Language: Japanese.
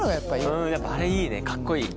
うんあれいいねかっこいい。